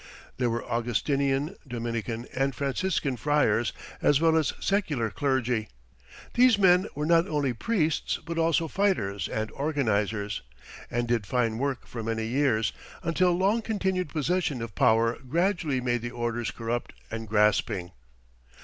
There were Augustinian, Dominican and Franciscan friars as well as secular clergy. These men were not only priests but also fighters and organizers, and did fine work for many years, until long continued possession of power gradually made the orders corrupt and grasping.